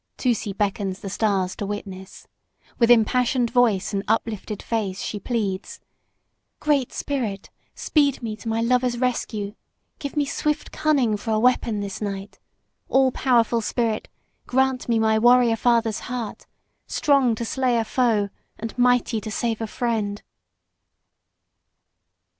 Tusee beckons the stars to witness. With impassioned voice and uplifted face she pleads: "Great Spirit, speed me to my lover's rescue! Give me swift cunning for a weapon this night! All powerful Spirit, grant me my warrior father's heart, strong to slay a foe and mighty to save a friend!"